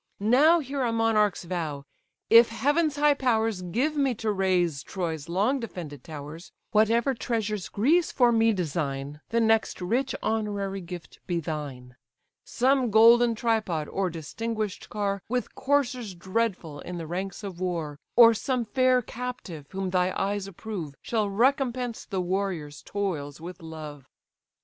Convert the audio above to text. Now hear a monarch's vow: If heaven's high powers Give me to raze Troy's long defended towers; Whatever treasures Greece for me design, The next rich honorary gift be thine: Some golden tripod, or distinguished car, With coursers dreadful in the ranks of war: Or some fair captive, whom thy eyes approve, Shall recompense the warrior's toils with love."